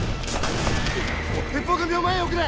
鉄砲組を前へ送れ！